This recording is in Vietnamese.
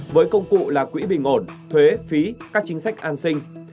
với công cụ là quỹ bình ổn thuế phí các chính sách an sinh